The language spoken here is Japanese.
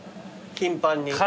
頻繁に。